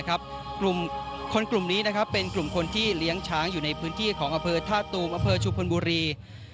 กลุ่มคนกลุ่มนี้เป็นกลุ่มคนที่เลี้ยงช้างอยู่ในพื้นที่ของอำเภอท่าตูมอำเภอชุพลบุรี